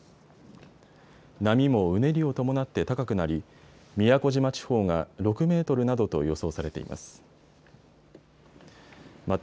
波もうねりを伴って高くなり宮古島地方が６メートルなどと予想されています。